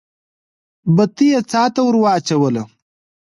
بتۍ يې څا ته ور واچوله.